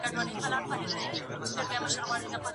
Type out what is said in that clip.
فلسفه يوازې د دين په خدمت کي وه.